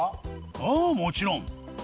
ああもちろん。